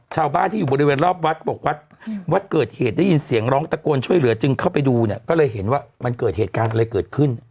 ชาวบ้านที่อยู่บริเวณรอบวัดเขาบอกวัดวัดเกิดเหตุได้ยินเสียงร้องตะโกนช่วยเหลือจึงเข้าไปดูเนี่ยก็เลยเห็นว่ามันเกิดเหตุการณ์อะไรเกิดขึ้น